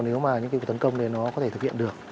nếu mà những cuộc tấn công này nó có thể thực hiện được